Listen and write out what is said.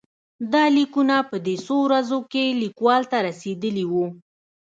دا لیکونه په دې څو ورځو کې لیکوال ته رسېدلي وو.